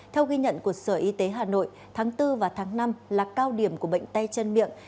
theo ghi nhận của sở y tế hà nội tháng bốn và tháng năm là cao điểm của bệnh tay chân miệng